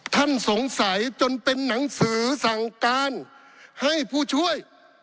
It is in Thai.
ท่านสงสัยจนเป็นหนังสือสั่งการให้ผู้ช่วย